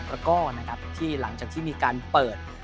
แล้วก็นะครับที่หลังจากที่มีการเปิด